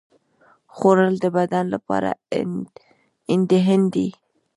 خوړل د بدن لپاره ایندھن دی